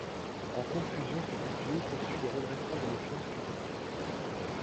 En conclusion, ce budget poursuit le redressement de nos finances publiques.